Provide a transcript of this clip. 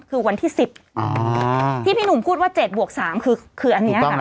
คือวันที่สิบอ๋อที่พี่หนุ่มพูดว่าเจ็ดบวกสามคือคืออันเนี้ยค่ะ